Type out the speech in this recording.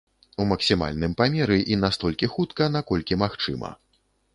У максімальным памеры і настолькі хутка, наколькі магчыма.